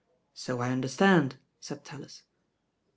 So I understand," said TaUis.